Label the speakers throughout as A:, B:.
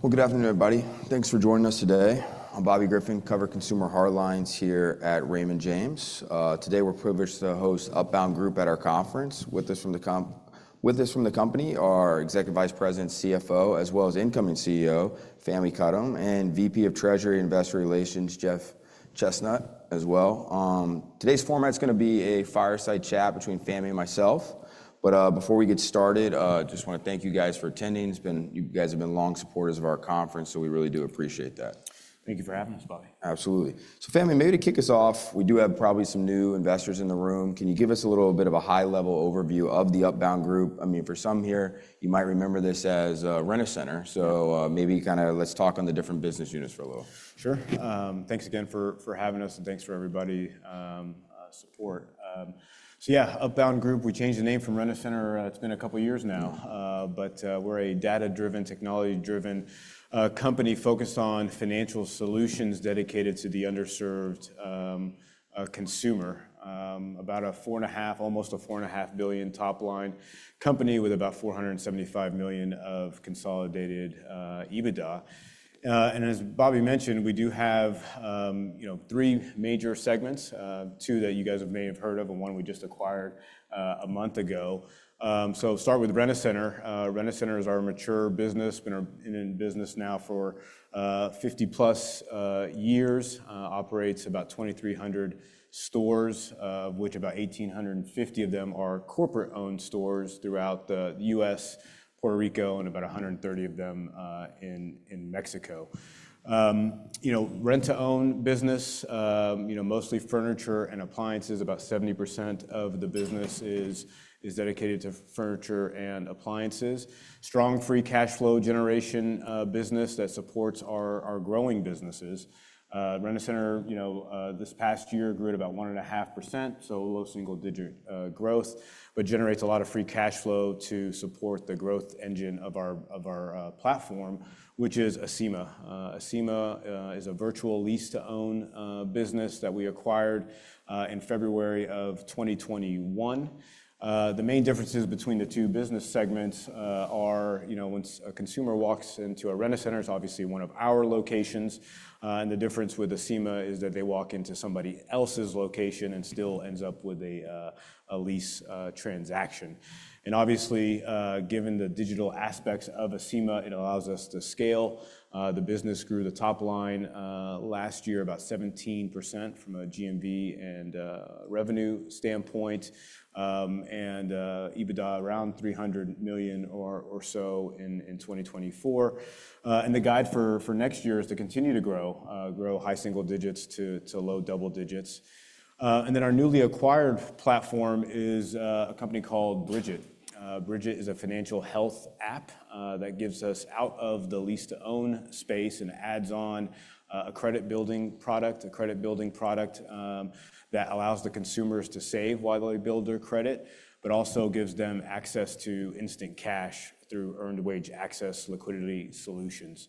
A: Thanks. This weekend we can go back and forth.
B: Yeah.
A: Good afternoon, everybody. Thanks for joining us today. I'm Bobby Griffin, Covered Consumer Hardlines here at Raymond James. Today we're privileged to host Upbound Group at our conference. With us from the company are Executive Vice President, CFO, as well as incoming CEO, Fahmi Karam, and VP of Treasury Investor Relations, Jeff Chesnut as well. Today's format's going to be a fireside chat between Fahmi and myself. Before we get started, I just want to thank you guys for attending. You guys have been long supporters of our conference, so we really do appreciate that.
C: Thank you for having us, Bobby.
A: Absolutely. Fahmi, maybe to kick us off, we do have probably some new investors in the room. Can you give us a little bit of a high-level overview of the Upbound Group? I mean, for some here, you might remember this as Rent-A-Center. Maybe kind of let's talk on the different business units for a little.
C: Sure. Thanks again for having us, and thanks for everybody's support. Yeah, Upbound Group, we changed the name from Rent-A-Center. It's been a couple of years now. We're a data-driven, technology-driven company focused on financial solutions dedicated to the underserved consumer. About a four and a half, almost a four and a half billion top-line company with about $475 million of consolidated EBITDA. As Bobby mentioned, we do have three major segments: two that you guys may have heard of, and one we just acquired a month ago. Start with Rent-A-Center. Rent-A-Center is our mature business. Been in business now for 50-plus years. Operates about 2,300 stores, of which about 1,850 of them are corporate-owned stores throughout the U.S., Puerto Rico, and about 130 of them in Mexico. Rent-to-own business, mostly furniture and appliances. About 70% of the business is dedicated to furniture and appliances. Strong free cash flow generation business that supports our growing businesses. Rent-A-Center this past year grew at about 1.5%, so low single-digit growth, but generates a lot of free cash flow to support the growth engine of our platform, which is Acima. Acima is a virtual lease-to-own business that we acquired in February of 2021. The main differences between the two business segments are when a consumer walks into a Rent-A-Center is obviously one of our locations. The difference with Acima is that they walk into somebody else's location and still ends up with a lease transaction. Obviously, given the digital aspects of Acima, it allows us to scale. The business grew the top line last year about 17% from a GMV and revenue standpoint, and EBITDA around $300 million or so in 2024. The guide for next year is to continue to grow, grow high single digits to low double digits. Our newly acquired platform is a company called Brigit. Brigit is a financial health app that gives us out of the lease-to-own space and adds on a credit-building product, a credit-building product that allows the consumers to save while they build their credit, but also gives them access to instant cash through earned wage access liquidity solutions.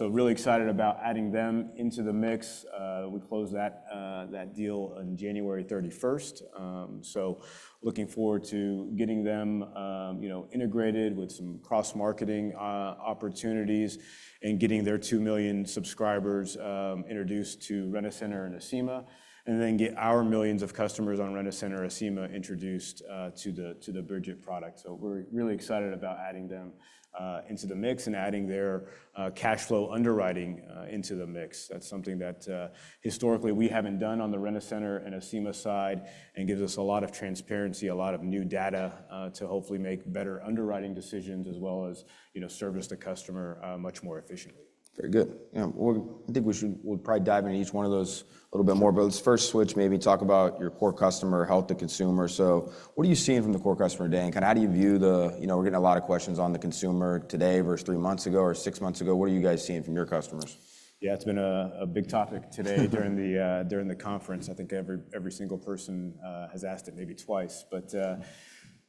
C: Really excited about adding them into the mix. We closed that deal on January 31. Looking forward to getting them integrated with some cross-marketing opportunities and getting their 2 million subscribers introduced to Rent-A-Center and Acima, and then get our millions of customers on Rent-A-Center and Acima introduced to the Brigit product. We're really excited about adding them into the mix and adding their cash flow underwriting into the mix. That's something that historically we haven't done on the Rent-A-Center and Acima side and gives us a lot of transparency, a lot of new data to hopefully make better underwriting decisions as well as service the customer much more efficiently.
A: Very good. Yeah, I think we should probably dive into each one of those a little bit more. Let's first switch, maybe talk about your core customer, health to consumer. What are you seeing from the core customer, Dan? Kind of how do you view the we're getting a lot of questions on the consumer today versus three months ago or six months ago. What are you guys seeing from your customers?
C: Yeah, it's been a big topic today during the conference. I think every single person has asked it maybe twice.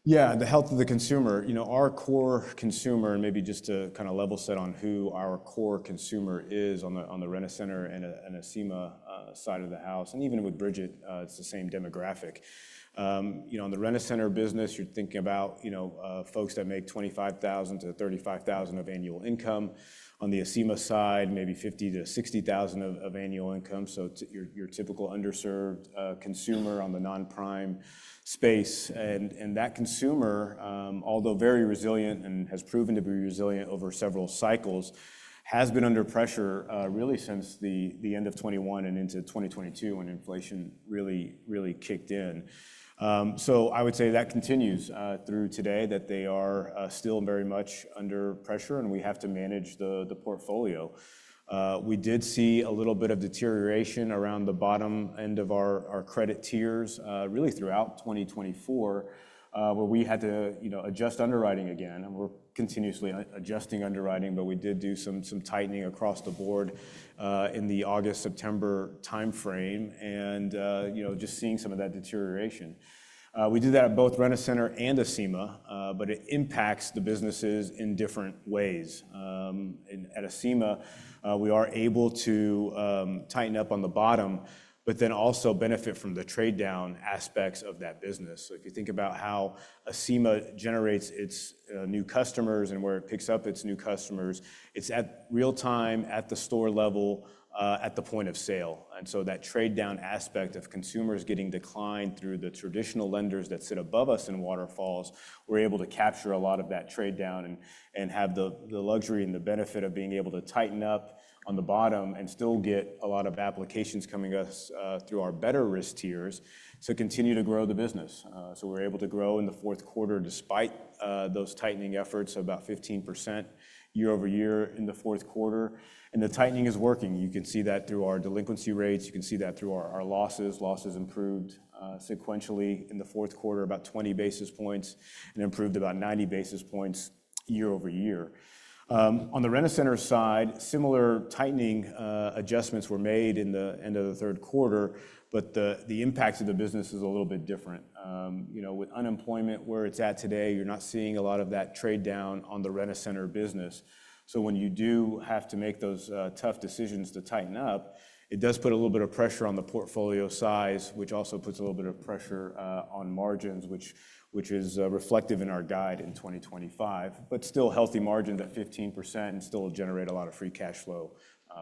C: Yeah, the health of the consumer. Our core consumer, and maybe just to kind of level set on who our core consumer is on the Rent-A-Center and Acima side of the house, and even with Brigit, it's the same demographic. On the Rent-A-Center business, you're thinking about folks that make $25,000-$35,000 of annual income. On the Acima side, maybe $50,000-$60,000 of annual income. Your typical underserved consumer on the non-prime space. That consumer, although very resilient and has proven to be resilient over several cycles, has been under pressure really since the end of 2021 and into 2022 when inflation really, really kicked in. I would say that continues through today that they are still very much under pressure, and we have to manage the portfolio. We did see a little bit of deterioration around the bottom end of our credit tiers really throughout 2024, where we had to adjust underwriting again. We are continuously adjusting underwriting, but we did do some tightening across the board in the August-September timeframe and just seeing some of that deterioration. We do that at both Rent-A-Center and Acima, but it impacts the businesses in different ways. At Acima, we are able to tighten up on the bottom, but then also benefit from the trade-down aspects of that business. If you think about how Acima generates its new customers and where it picks up its new customers, it is at real time at the store level at the point of sale. That trade-down aspect of consumers getting declined through the traditional lenders that sit above us in waterfalls, we're able to capture a lot of that trade-down and have the luxury and the benefit of being able to tighten up on the bottom and still get a lot of applications coming to us through our better risk tiers to continue to grow the business. We're able to grow in the fourth quarter despite those tightening efforts of about 15% year over year in the fourth quarter. The tightening is working. You can see that through our delinquency rates. You can see that through our losses. Losses improved sequentially in the fourth quarter about 20 basis points and improved about 90 basis points year over year. On the Rent-A-Center side, similar tightening adjustments were made in the end of the third quarter, but the impact of the business is a little bit different. With unemployment where it's at today, you're not seeing a lot of that trade-down on the Rent-A-Center business. When you do have to make those tough decisions to tighten up, it does put a little bit of pressure on the portfolio size, which also puts a little bit of pressure on margins, which is reflective in our guide in 2025. Still healthy margins at 15% and still generate a lot of free cash flow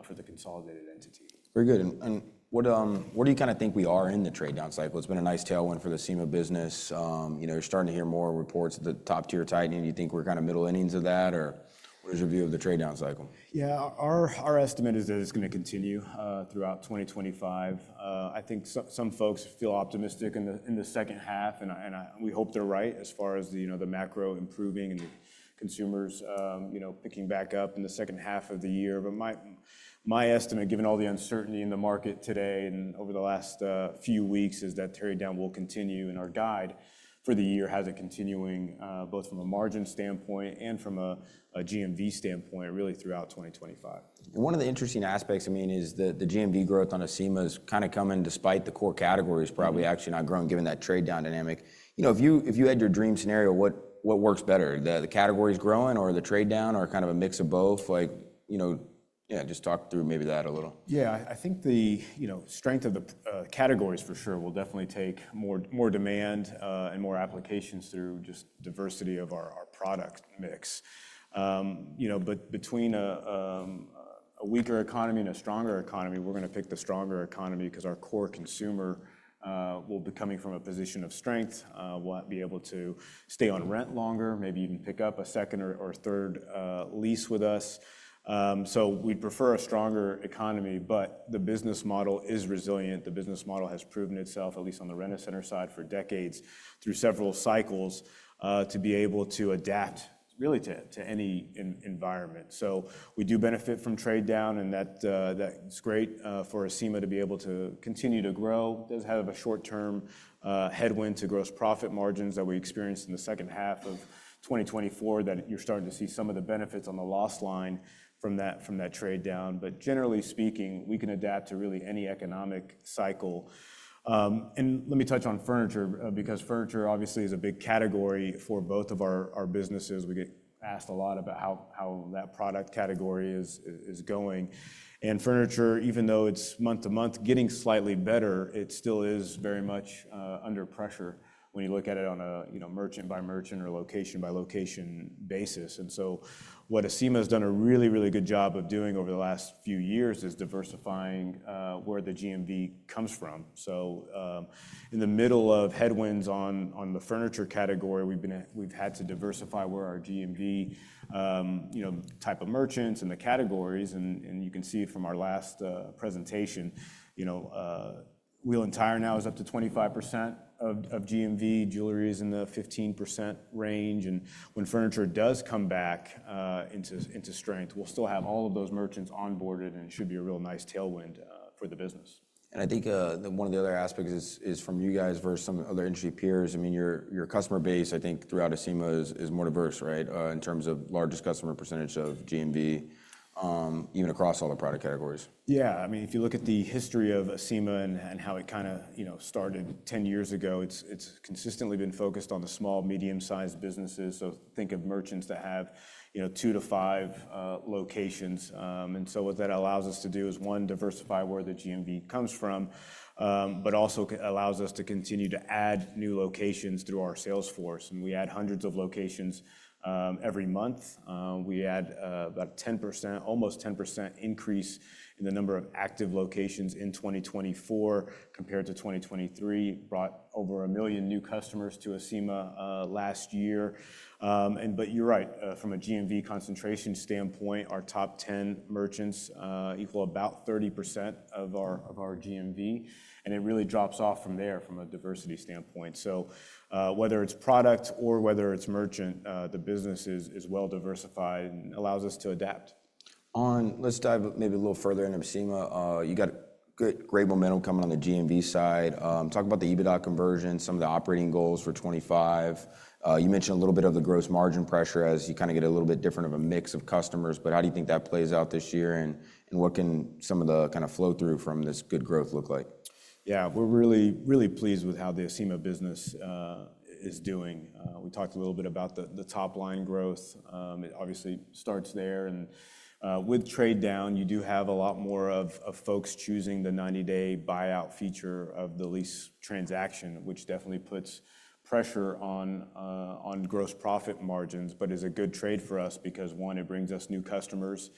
C: for the consolidated entity.
A: Very good. What do you kind of think we are in the trade-down cycle? It's been a nice tailwind for the Acima business. You're starting to hear more reports of the top-tier tightening. Do you think we're kind of middle innings of that, or what is your view of the trade-down cycle?
C: Yeah, our estimate is that it's going to continue throughout 2025. I think some folks feel optimistic in the second half, and we hope they're right as far as the macro improving and the consumers picking back up in the second half of the year. My estimate, given all the uncertainty in the market today and over the last few weeks, is that trade-down will continue, and our guide for the year has it continuing both from a margin standpoint and from a GMV standpoint really throughout 2025.
A: One of the interesting aspects, I mean, is the GMV growth on Acima is kind of coming despite the core categories probably actually not growing given that trade-down dynamic. If you had your dream scenario, what works better? The categories growing or the trade-down or kind of a mix of both? Yeah, just talk through maybe that a little.
C: Yeah, I think the strength of the categories for sure will definitely take more demand and more applications through just diversity of our product mix. Between a weaker economy and a stronger economy, we're going to pick the stronger economy because our core consumer will be coming from a position of strength, will be able to stay on rent longer, maybe even pick up a second or third lease with us. We'd prefer a stronger economy, but the business model is resilient. The business model has proven itself, at least on the Rent-A-Center side for decades through several cycles to be able to adapt really to any environment. We do benefit from trade-down, and that's great for Acima to be able to continue to grow. It does have a short-term headwind to gross profit margins that we experienced in the second half of 2024 that you're starting to see some of the benefits on the loss line from that trade-down. Generally speaking, we can adapt to really any economic cycle. Let me touch on furniture because furniture obviously is a big category for both of our businesses. We get asked a lot about how that product category is going. Furniture, even though it's month to month, getting slightly better, it still is very much under pressure when you look at it on a merchant by merchant or location by location basis. What Acima has done a really, really good job of doing over the last few years is diversifying where the GMV comes from. In the middle of headwinds on the furniture category, we've had to diversify where our GMV type of merchants and the categories. You can see from our last presentation, wheel and tire now is up to 25% of GMV. Jewelry is in the 15% range. When furniture does come back into strength, we'll still have all of those merchants onboarded, and it should be a real nice tailwind for the business.
A: I think one of the other aspects is from you guys versus some other industry peers. I mean, your customer base, I think throughout Acima is more diverse, right, in terms of largest customer percentage of GMV, even across all the product categories.
C: Yeah, I mean, if you look at the history of Acima and how it kind of started 10 years ago, it's consistently been focused on the small, medium-sized businesses. Think of merchants that have two to five locations. What that allows us to do is, one, diversify where the GMV comes from, but also allows us to continue to add new locations through our sales force. We add hundreds of locations every month. We add about a 10%, almost 10% increase in the number of active locations in 2024 compared to 2023. Brought over a million new customers to Acima last year. You're right, from a GMV concentration standpoint, our top 10 merchants equal about 30% of our GMV. It really drops off from there from a diversity standpoint. Whether it's product or whether it's merchant, the business is well diversified and allows us to adapt.
A: Let's dive maybe a little further into Acima. You got great momentum coming on the GMV side. Talk about the EBITDA conversion, some of the operating goals for 2025. You mentioned a little bit of the gross margin pressure as you kind of get a little bit different of a mix of customers. How do you think that plays out this year? What can some of the kind of flow-through from this good growth look like?
C: Yeah, we're really, really pleased with how the Acima business is doing. We talked a little bit about the top line growth. It obviously starts there. With trade-down, you do have a lot more of folks choosing the 90-day buyout feature of the lease transaction, which definitely puts pressure on gross profit margins, but is a good trade for us because, one, it brings us new customers.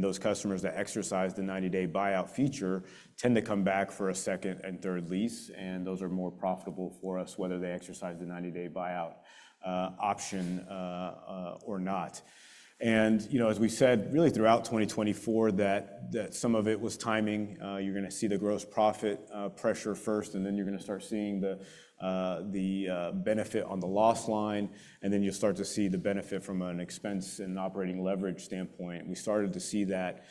C: Those customers that exercise the 90-day buyout feature tend to come back for a second and third lease. Those are more profitable for us, whether they exercise the 90-day buyout option or not. As we said, really throughout 2024, some of it was timing. You're going to see the gross profit pressure first, and then you're going to start seeing the benefit on the loss line. You will start to see the benefit from an expense and operating leverage standpoint. We started to see that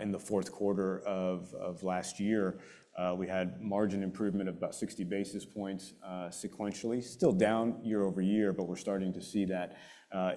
C: in the fourth quarter of last year. We had margin improvement of about 60 basis points sequentially, still down year over year, but we are starting to see that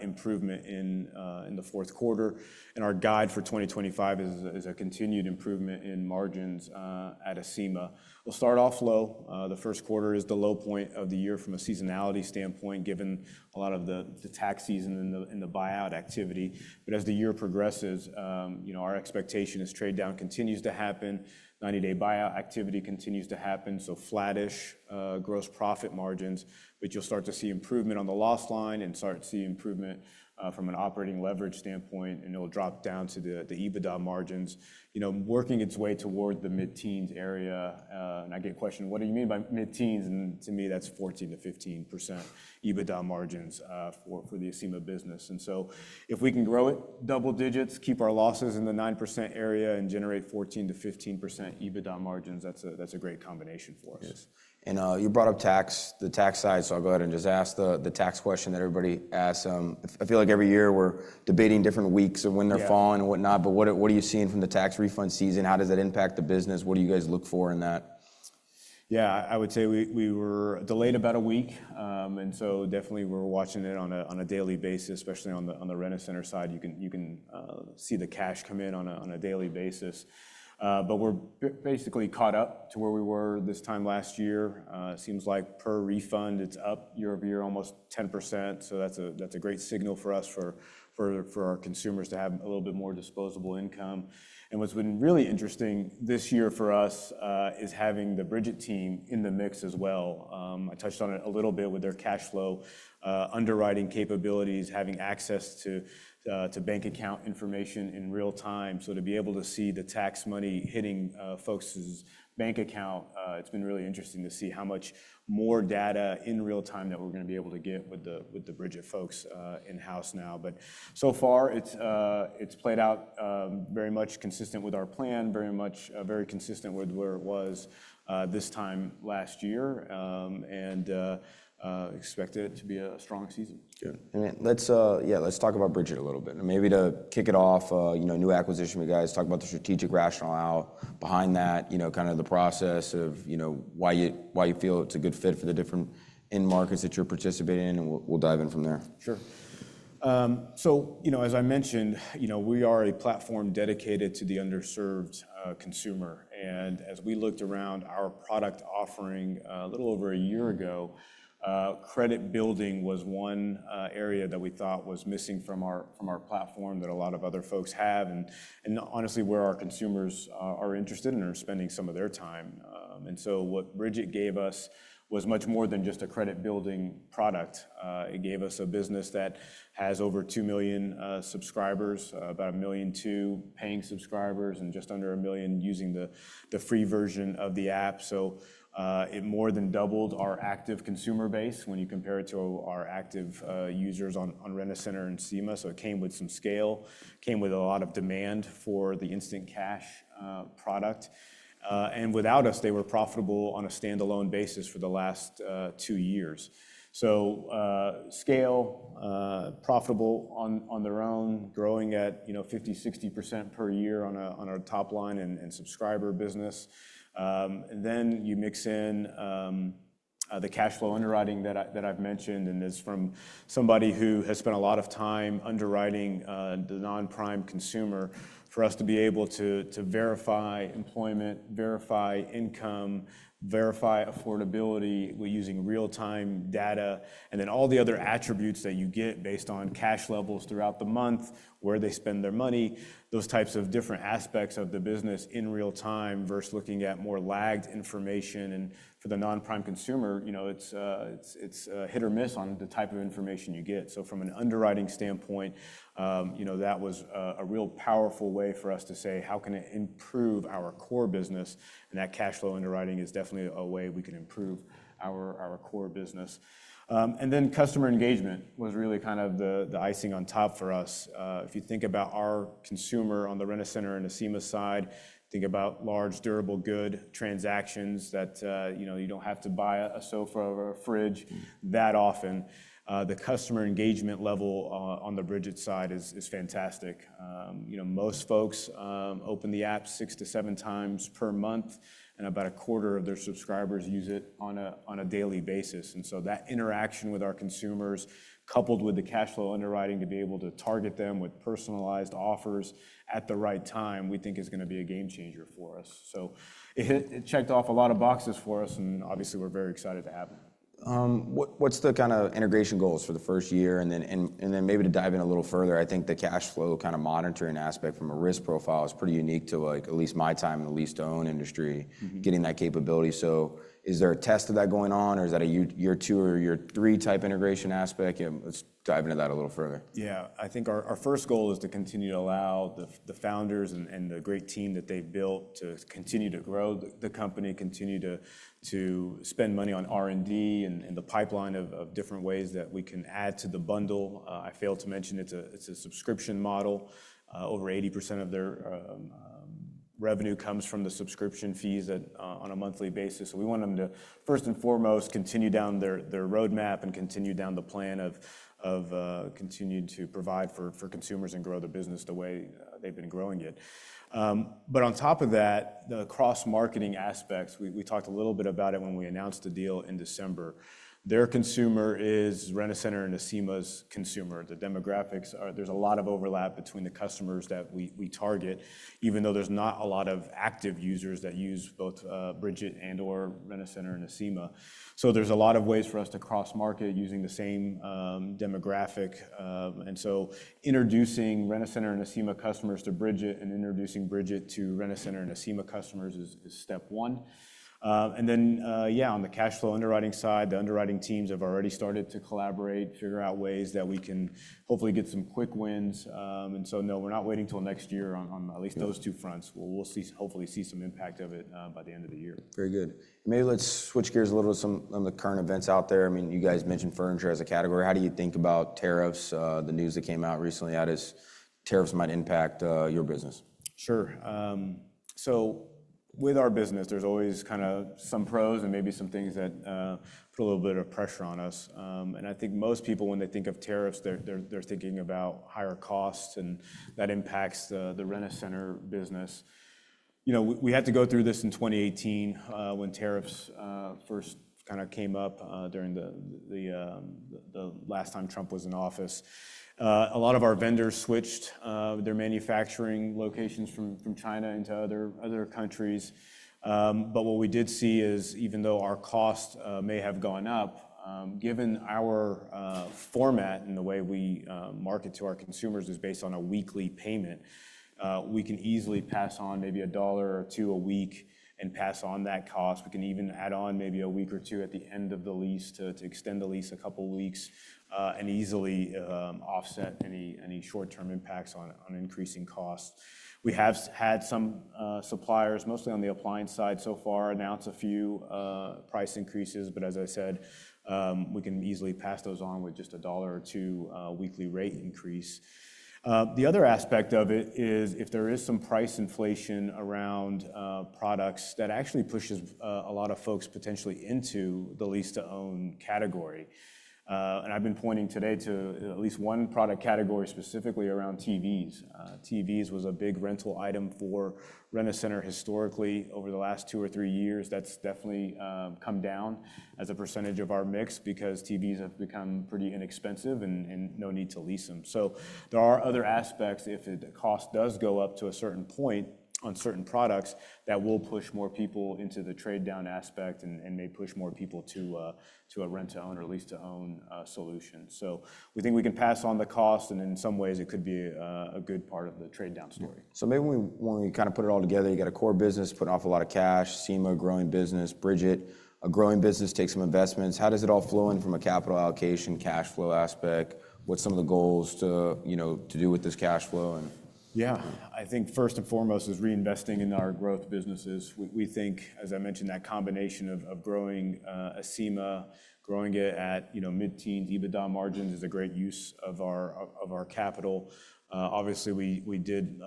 C: improvement in the fourth quarter. Our guide for 2025 is a continued improvement in margins at Acima. We will start off low. The first quarter is the low point of the year from a seasonality standpoint, given a lot of the tax season and the buyout activity. As the year progresses, our expectation is trade-down continues to happen. 90-day buyout activity continues to happen. Flattish gross profit margins, but you'll start to see improvement on the loss line and start to see improvement from an operating leverage standpoint, and it'll drop down to the EBITDA margins, working its way toward the mid-teens area. I get a question, what do you mean by mid-teens? To me, that's 14-15% EBITDA margins for the Acima business. If we can grow it double digits, keep our losses in the 9% area, and generate 14-15% EBITDA margins, that's a great combination for us.
A: You brought up the tax side, so I'll go ahead and just ask the tax question that everybody asks. I feel like every year we're debating different weeks of when they're falling and whatnot, but what are you seeing from the tax refund season? How does that impact the business? What do you guys look for in that?
C: Yeah, I would say we were delayed about a week. Definitely we're watching it on a daily basis, especially on the Rent-A-Center side. You can see the cash come in on a daily basis. We're basically caught up to where we were this time last year. It seems like per refund, it's up year over year almost 10%. That's a great signal for us for our consumers to have a little bit more disposable income. What's been really interesting this year for us is having the Brigit team in the mix as well. I touched on it a little bit with their cash flow underwriting capabilities, having access to bank account information in real time. To be able to see the tax money hitting folks' bank account, it's been really interesting to see how much more data in real time that we're going to be able to get with the Brigit folks in-house now. So far, it's played out very much consistent with our plan, very much very consistent with where it was this time last year, and expect it to be a strong season.
A: Yeah. Yeah, let's talk about Brigit a little bit. Maybe to kick it off, new acquisition, you guys talk about the strategic rationale behind that, kind of the process of why you feel it's a good fit for the different end markets that you're participating in, and we'll dive in from there.
C: Sure. As I mentioned, we are a platform dedicated to the underserved consumer. As we looked around our product offering a little over a year ago, credit building was one area that we thought was missing from our platform that a lot of other folks have. Honestly, where our consumers are interested in are spending some of their time. What Brigit gave us was much more than just a credit building product. It gave us a business that has over 2 million subscribers, about 1 million paying subscribers, and just under 1 million using the free version of the app. It more than doubled our active consumer base when you compare it to our active users on Rent-A-Center and Acima. It came with some scale, came with a lot of demand for the instant cash product. Without us, they were profitable on a standalone basis for the last two years. Scale, profitable on their own, growing at 50-60% per year on our top line and subscriber business. You mix in the cash flow underwriting that I've mentioned, and it's from somebody who has spent a lot of time underwriting the non-prime consumer for us to be able to verify employment, verify income, verify affordability using real-time data, and then all the other attributes that you get based on cash levels throughout the month, where they spend their money, those types of different aspects of the business in real time versus looking at more lagged information. For the non-prime consumer, it's hit or miss on the type of information you get. From an underwriting standpoint, that was a real powerful way for us to say, how can it improve our core business? That cash flow underwriting is definitely a way we can improve our core business. Customer engagement was really kind of the icing on top for us. If you think about our consumer on the Rent-A-Center and Acima side, think about large durable good transactions that you do not have to buy a sofa or a fridge that often. The customer engagement level on the Brigit side is fantastic. Most folks open the app six to seven times per month, and about a quarter of their subscribers use it on a daily basis. That interaction with our consumers, coupled with the cash flow underwriting to be able to target them with personalized offers at the right time, we think is going to be a game changer for us. It checked off a lot of boxes for us, and obviously, we're very excited to have them.
A: What's the kind of integration goals for the first year? And then maybe to dive in a little further, I think the cash flow kind of monitoring aspect from a risk profile is pretty unique to at least my time in the lease-to-own industry, getting that capability. So is there a test of that going on, or is that a year two or year three type integration aspect? Let's dive into that a little further.
C: Yeah, I think our first goal is to continue to allow the founders and the great team that they've built to continue to grow the company, continue to spend money on R&D and the pipeline of different ways that we can add to the bundle. I failed to mention it's a subscription model. Over 80% of their revenue comes from the subscription fees on a monthly basis. We want them to, first and foremost, continue down their roadmap and continue down the plan of continuing to provide for consumers and grow their business the way they've been growing it. On top of that, the cross-marketing aspects, we talked a little bit about it when we announced the deal in December. Their consumer is Rent-A-Center and Acima's consumer. The demographics, there is a lot of overlap between the customers that we target, even though there is not a lot of active users that use both Brigit and/or Rent-A-Center and Acima. There is a lot of ways for us to cross-market using the same demographic. Introducing Rent-A-Center and Acima customers to Brigit and introducing Brigit to Rent-A-Center and Acima customers is step one. On the cash flow underwriting side, the underwriting teams have already started to collaborate, figure out ways that we can hopefully get some quick wins. No, we are not waiting until next year on at least those two fronts. We will hopefully see some impact of it by the end of the year.
A: Very good. Maybe let's switch gears a little to some of the current events out there. I mean, you guys mentioned furniture as a category. How do you think about tariffs? The news that came out recently is tariffs might impact your business.
C: Sure. With our business, there's always kind of some pros and maybe some things that put a little bit of pressure on us. I think most people, when they think of tariffs, they're thinking about higher costs, and that impacts the Rent-A-Center business. We had to go through this in 2018 when tariffs first kind of came up during the last time Trump was in office. A lot of our vendors switched their manufacturing locations from China into other countries. What we did see is, even though our cost may have gone up, given our format and the way we market to our consumers is based on a weekly payment, we can easily pass on maybe $1 or $2 a week and pass on that cost. We can even add on maybe a week or two at the end of the lease to extend the lease a couple of weeks and easily offset any short-term impacts on increasing costs. We have had some suppliers, mostly on the appliance side, so far announce a few price increases, but as I said, we can easily pass those on with just a dollar or two weekly rate increase. The other aspect of it is if there is some price inflation around products that actually pushes a lot of folks potentially into the lease-to-own category. I have been pointing today to at least one product category specifically around TVs. TVs was a big rental item for Rent-A-Center historically. Over the last two or three years, that has definitely come down as a percentage of our mix because TVs have become pretty inexpensive and no need to lease them. There are other aspects. If the cost does go up to a certain point on certain products, that will push more people into the trade-down aspect and may push more people to a rent-to-own or lease-to-own solution. We think we can pass on the cost, and in some ways, it could be a good part of the trade-down story.
A: Maybe when we kind of put it all together, you got a core business, putting off a lot of cash, Acima growing business, Brigit, a growing business, take some investments. How does it all flow in from a capital allocation, cash flow aspect? What's some of the goals to do with this cash flow?
C: Yeah, I think first and foremost is reinvesting in our growth businesses. We think, as I mentioned, that combination of growing Acima, growing it at mid-teens EBITDA margins is a great use of our capital. Obviously, we did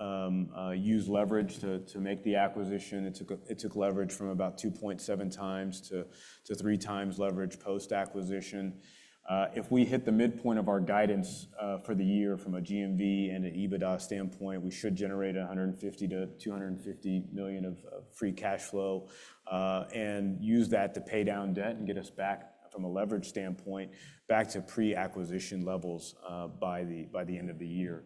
C: use leverage to make the acquisition. It took leverage from about 2.7 times to 3 times leverage post-acquisition. If we hit the midpoint of our guidance for the year from a GMV and an EBITDA standpoint, we should generate $150 million-$250 million of free cash flow and use that to pay down debt and get us back from a leverage standpoint back to pre-acquisition levels by the end of the year.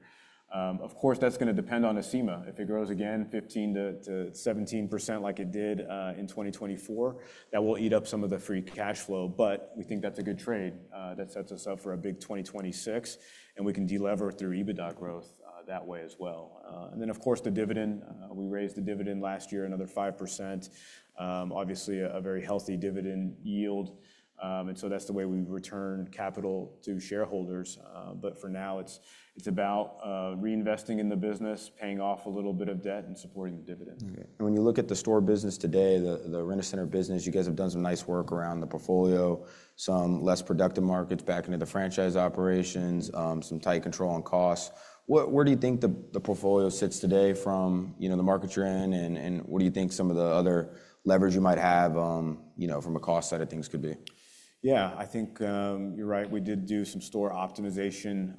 C: Of course, that's going to depend on Acima. If it grows again, 15%-17% like it did in 2024, that will eat up some of the free cash flow, but we think that's a good trade. That sets us up for a big 2026, and we can deleverage through EBITDA growth that way as well. Of course, the dividend. We raised the dividend last year, another 5%. Obviously, a very healthy dividend yield. That is the way we return capital to shareholders. For now, it is about reinvesting in the business, paying off a little bit of debt, and supporting the dividend.
A: When you look at the store business today, the Rent-A-Center business, you guys have done some nice work around the portfolio, some less productive markets back into the franchise operations, some tight control on costs. Where do you think the portfolio sits today from the market you're in, and what do you think some of the other levers you might have from a cost side of things could be?
C: Yeah, I think you're right. We did do some store optimization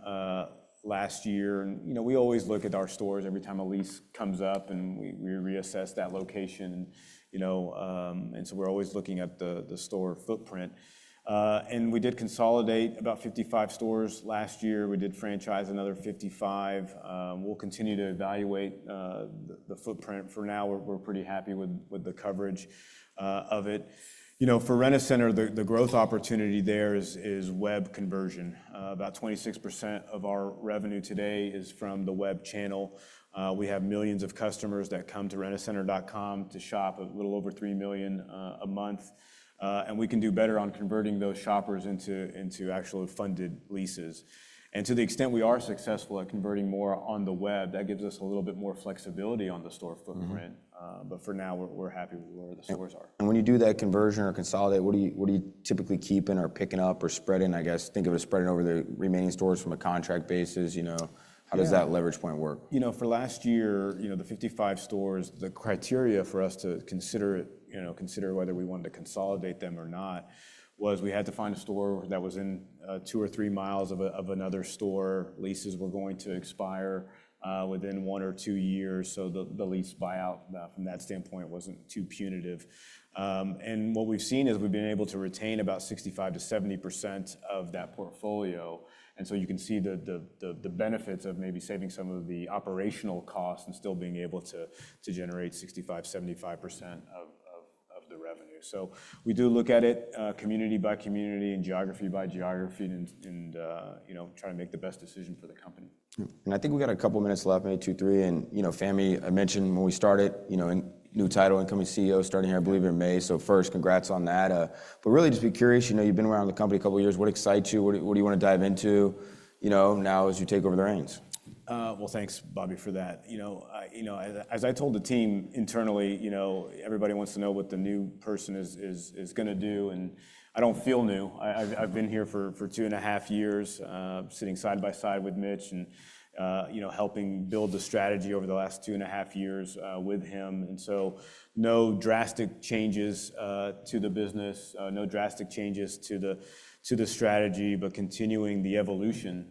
C: last year. We always look at our stores every time a lease comes up, and we reassess that location. We are always looking at the store footprint. We did consolidate about 55 stores last year. We did franchise another 55. We'll continue to evaluate the footprint. For now, we're pretty happy with the coverage of it. For Rent-A-Center, the growth opportunity there is web conversion. About 26% of our revenue today is from the web channel. We have millions of customers that come to rentacenter.com to shop, a little over 3 million a month. We can do better on converting those shoppers into actually funded leases. To the extent we are successful at converting more on the web, that gives us a little bit more flexibility on the store footprint. For now, we're happy with where the stores are.
A: When you do that conversion or consolidate, what do you typically keep in or picking up or spreading? I guess think of it as spreading over the remaining stores from a contract basis. How does that leverage point work?
C: For last year, the 55 stores, the criteria for us to consider whether we wanted to consolidate them or not was we had to find a store that was in two or three miles of another store. Leases were going to expire within one or two years. The lease buyout from that standpoint was not too punitive. What we have seen is we have been able to retain about 65% to 70% of that portfolio. You can see the benefits of maybe saving some of the operational costs and still being able to generate 65%-75% of the revenue. We do look at it community by community and geography by geography and try to make the best decision for the company.
A: I think we got a couple of minutes left, maybe two, three. Fahmi, I mentioned when we started, new title, incoming CEO starting here, I believe in May. First, congrats on that. Really just be curious. You've been around the company a couple of years. What excites you? What do you want to dive into now as you take over the reins?
C: Thanks, Bobby, for that. As I told the team internally, everybody wants to know what the new person is going to do. I don't feel new. I've been here for two and a half years sitting side by side with Mitch and helping build the strategy over the last two and a half years with him. No drastic changes to the business, no drastic changes to the strategy, but continuing the evolution,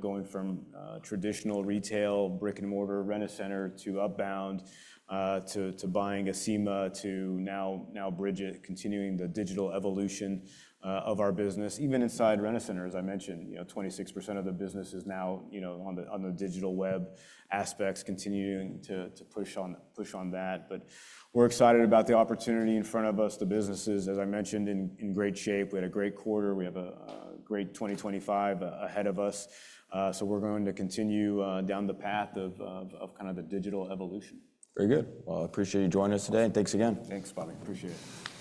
C: going from traditional retail, brick and mortar, Rent-A-Center to Upbound, to buying Acima, to now Brigit, continuing the digital evolution of our business. Even inside Rent-A-Center, as I mentioned, 26% of the business is now on the digital web aspects, continuing to push on that. We're excited about the opportunity in front of us. The businesses, as I mentioned, in great shape. We had a great quarter. We have a great 2025 ahead of us. We're going to continue down the path of kind of the digital evolution.
A: Very good. I appreciate you joining us today. Thanks again.
C: Thanks, Bobby. Appreciate it.